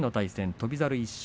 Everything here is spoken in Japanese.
翔猿１勝